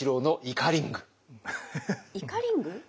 イカリング。